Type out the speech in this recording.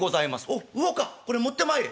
「おっ魚かこれ持ってまいれ」。